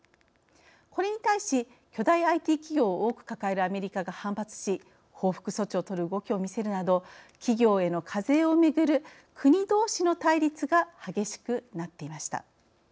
これに対し巨大ＩＴ企業を多く抱えるアメリカが反発し報復措置を取る動きを見せるなど企業への課税をめぐる国どうしの対立が激しくなっていました。